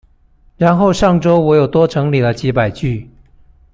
然後上週我有多整理了幾百句